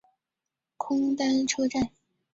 空丹车站。